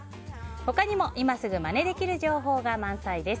他にも、今すぐまねできる情報が満載です。